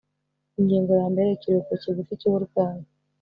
Ingingo yambere Ikiruhuko kigufi cy uburwayi